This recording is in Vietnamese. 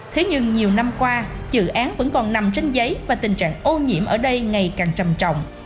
thế nhưng nhiều năm qua dự án vẫn còn nằm trên giấy và tình trạng ô nhiễm ở đây ngày càng trầm trọng